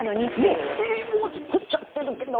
え、もう作っちゃってるけど！